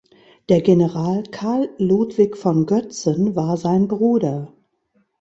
Der General Karl Ludwig von Goetzen war sein Bruder.